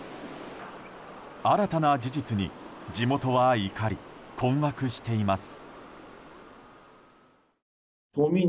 新たな事実に地元は怒り、困惑しています。